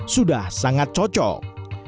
sudah sangat cocok